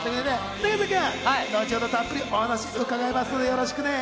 永瀬君、後ほどたっぷりお話を伺いますのでよろしくね！